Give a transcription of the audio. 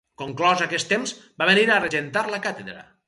Conclòs aquest temps va venir a regentar la càtedra.